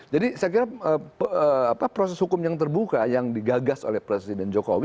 saya kira proses hukum yang terbuka yang digagas oleh presiden jokowi